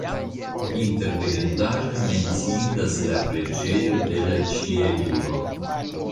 Inter vidindaĵoj menciindas la preĝejo de la Ĉieliro.